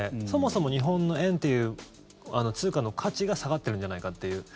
そもそも日本の円っていう通貨の価値が下がってるんじゃないかっていう。